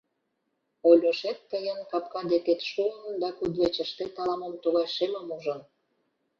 Ольошет тыйын капка декет шуын да кудывечыштет ала-мо тугай шемым ужын.